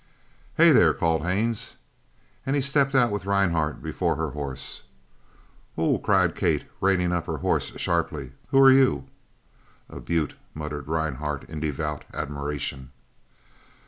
"Hey, there!" called Haines, and he stepped out with Rhinehart before her horse. "Oh!" cried Kate, reining up her horse sharply. "Who are you?" "A beaut!" muttered Rhinehart in devout admiration.